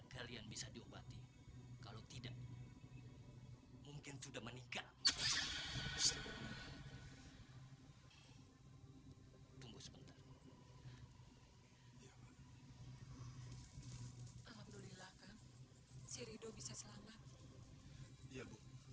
tapi kalau kamu bayar pada minggu kedua itu akan menjadi enam ratus ribu